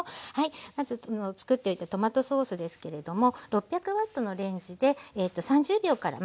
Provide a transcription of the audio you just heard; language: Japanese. まずつくっておいたトマトソースですけれども６００Ｗのレンジで３０秒から１分ぐらい。